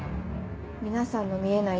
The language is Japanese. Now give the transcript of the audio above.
皆さんの見えない